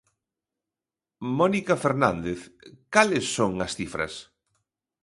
Mónica Fernández, cales son as cifras?